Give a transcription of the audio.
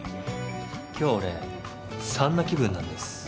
今日俺３な気分なんです。